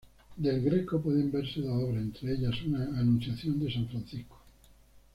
De El Greco pueden verse dos obras, entre ellas, una "Anunciación de San Francisco".